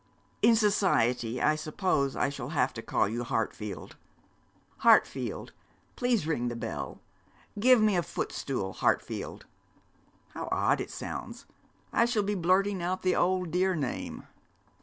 'In society I suppose I shall have to call you Hartfield. "Hartfield, please ring the bell." "Give me a footstool, Hartfield." How odd it sounds. I shall be blurting out the old dear name.'